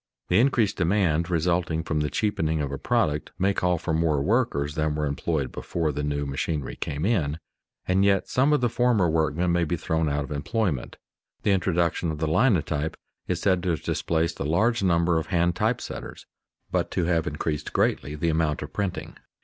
The increased demand resulting from the cheapening of a product may call for more workers than were employed before the new machinery came in, and yet some of the former workmen may be thrown out of employment. The introduction of the linotype is said to have displaced a large number of hand type setters, but to have increased greatly the amount of printing.